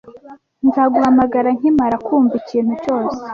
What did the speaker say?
Nzaguhamagara nkimara kumva ikintu cyose.